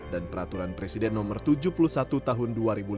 dan peraturan presiden nomor tujuh puluh satu tahun dua ribu lima belas